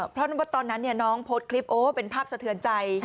เพราะว่าตอนนั้นน้องโพสต์คลิปโอ้เป็นภาพสะเทือนใจ